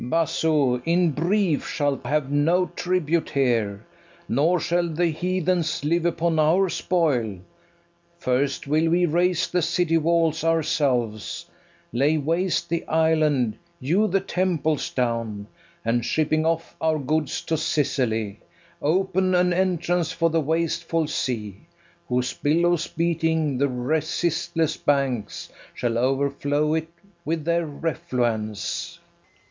FERNEZE. Basso, in brief, shalt have no tribute here, Nor shall the heathens live upon our spoil: First will we raze the city walls ourselves, Lay waste the island, hew the temples down, And, shipping off our goods to Sicily, Open an entrance for the wasteful sea, Whose billows, beating the resistless banks, Shall overflow it with their refluence.